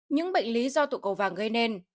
những bệnh lý do tụ cầu vàng gây nên